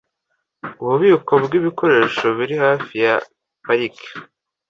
Ububiko bwibikoresho biri hafi ya parike .